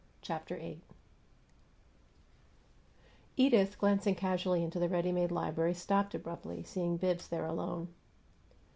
CHAPTER VIII Edith, glancing casually into the "ready made" library, stopped abruptly, seeing Bibbs there alone.